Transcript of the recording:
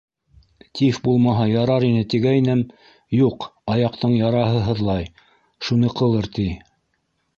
Тиф булмаһа ярар ине, тигәйнем, юҡ, аяҡтың яраһы һыҙлай, шуныҡылыр, ти.